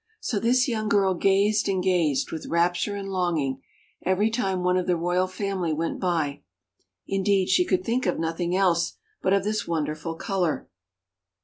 So this young girl gazed and gazed with rapture and longing, every time one of the royal family went by. Indeed, she could think of nothing else, but of this wonderful colour.